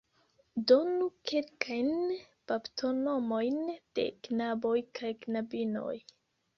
Donu kelkajn baptonomojn de knaboj kaj knabinoj.